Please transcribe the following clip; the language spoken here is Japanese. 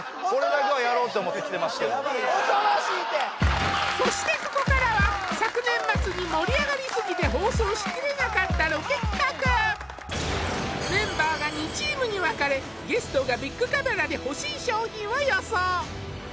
恐ろしいてそしてここからは昨年末に盛り上がりすぎて放送しきれなかったロケ企画メンバーが２チームに分かれゲストがビックカメラで欲しい商品を予想！